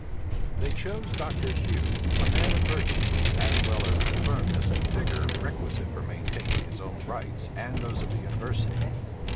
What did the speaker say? They chose Dr. Hough, a man of virtue, as well as of the firmness and vigor requisite for maintaining his own rights and those of the university.